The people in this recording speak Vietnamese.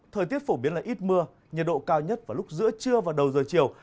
thời tiết phổ biến là ít mưa nhiệt độ cao nhất vào lúc giữa trưa và đầu giờ chiều